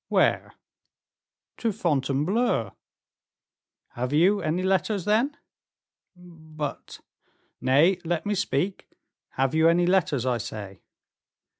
"Where?" "To Fontainebleau." "Have you any letters, then?" "But " "Nay, let me speak. Have you any letters, I say?"